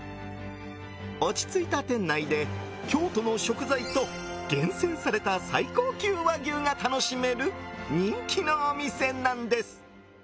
落ち着いた店内で京都の食材と厳選された最高級和牛が楽しめる人気のお店なんです。